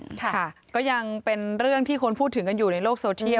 ค่ะก็ยังเป็นเรื่องที่คนพูดถึงกันอยู่ในโลกโซเชียล